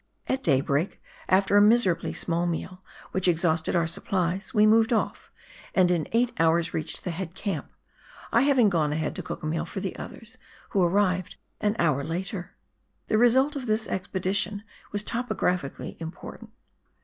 At daybreak, after a miserably small meal, which exhausted our supplies, we moved off, and in eight hours reached the head camp — I having gone ahead to cook a meal for the others, who arrived an hour later. The result of this expedition was topographically important.